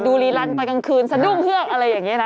รีลันไปกลางคืนสะดุ้งเฮือกอะไรอย่างนี้นะ